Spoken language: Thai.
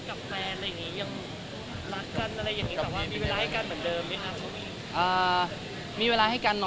ครับครับครับครับครับครับครับครับครับครับ